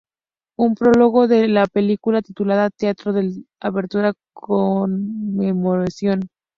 Un prólogo de la película, titulada "Teatro de apertura Conmemoración!